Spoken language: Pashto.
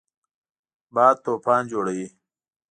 باد طوفان جوړوي